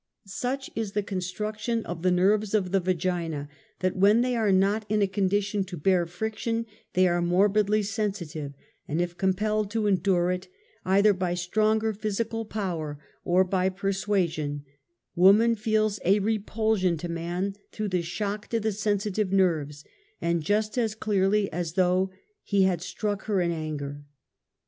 Such is the construction of the nerves of the vagina, that w^hen they are not in a condition to hear friction, they are morhidly sensa tive, and if compelled to endure it, either by stronger \ physical power, or by persuasion, woman feels a 1( repulsion to man through the shock to the sensitive nerves, and just as clearly as though he had struck her in anger.